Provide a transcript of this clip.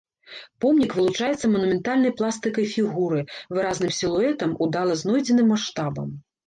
Помнік вылучаецца манументальнай пластыкай фігуры, выразным сілуэтам, удала знойдзеным маштабам.